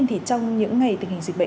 thế hôm nay đỡ nhiều chưa